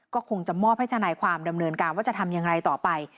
ก็คงจะมอบให้ทนายความดำเนินการว่าจะทำอย่างไรต่อไป